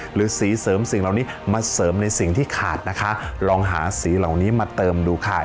หรือสีเสริมสิ่งเหล่านี้มาเสริมในสิ่งที่ขาดนะคะลองหาสีเหล่านี้มาเติมดูค่ะ